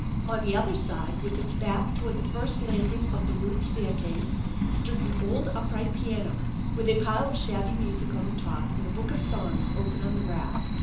On the other side, with its back toward the first landing of the rude staircase, stood an old upright piano with a pile of shabby music on the top and a book of songs open on the rack.